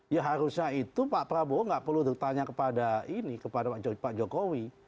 ya harusnya itu pak prabowo tidak perlu bertanya kepada pak jokowi